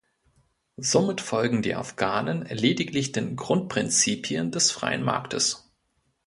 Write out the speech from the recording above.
Somit folgen die Afghanen lediglich den Grundprinzipien des freien Marktes.